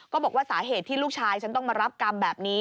บอกว่าสาเหตุที่ลูกชายฉันต้องมารับกรรมแบบนี้